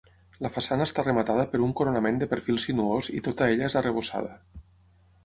La façana està rematada per un coronament de perfil sinuós i tota ella és arrebossada.